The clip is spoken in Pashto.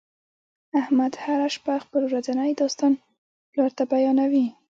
احمد هر شپه خپل ورځنی داستان پلار ته بیانوي.